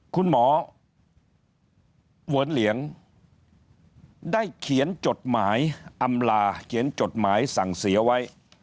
คุณหมอเวิร์นเหลียงได้เขียนจดหมายอำลาเขียนจดหมายสั่งเสียไว้